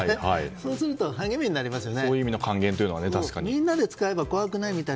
そうすると、励みになりますよね。